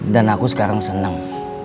dan aku sekarang seneng